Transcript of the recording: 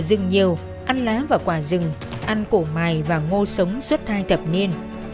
rừng nhiều ăn lá và quả rừng ăn cổ mài và ngô sống suốt hai thập niên